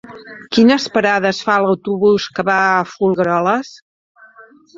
Quines parades fa l'autobús que va a Folgueroles?